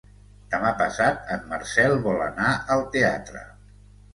Demà passat en Marcel vol anar al teatre.